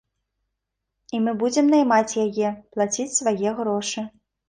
І мы будзем наймаць яе, плаціць свае грошы.